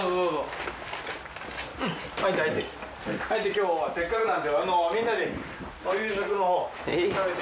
今日はせっかくなんでみんなでお夕食のほうを食べて。